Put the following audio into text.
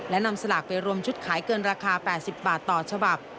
และนำสลากไปรวมชุดขายเกินราคา๘๐บาทต่อฉบับ